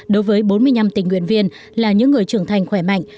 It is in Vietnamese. đối với bốn mươi năm tình nguyện viên là những người trưởng thành khỏe mạnh